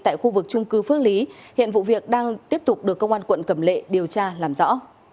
tại khu vực trung cư phước lý hiện vụ việc đang tiếp tục được công an quận cầm lệ điều tra làm rõ